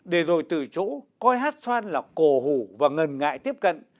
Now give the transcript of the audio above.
để rồi từ chỗ coi hét xoan là cồ hủ và ngần ngại tiếp cận